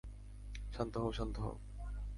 শান্ত হও, শান্ত হও!